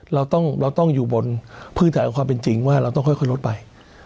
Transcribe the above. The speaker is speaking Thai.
เราต้องอยู่บนพื้นฐานของความเป็นจริงว่าเราต้องค่อยลดไป